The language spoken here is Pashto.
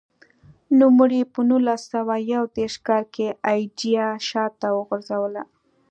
نوموړي په نولس سوه یو دېرش کال کې ایډیا شاته وغورځوله.